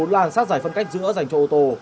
bốn làn sát giải phân cách giữa dành cho ô tô